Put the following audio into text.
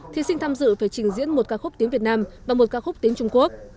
thí sinh tham dự phải trình diễn một ca khúc tiếng việt nam và một ca khúc tiếng trung quốc